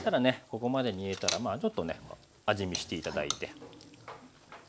ここまで煮えたらちょっとね味見して頂いて。